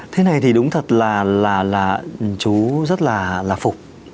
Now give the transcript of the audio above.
thế này thì đúng thật là chú rất là lạc phục